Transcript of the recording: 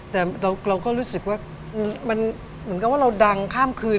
แต่เราก็รู้สึกว่ามันเหมือนกับว่าเราดังข้ามคืน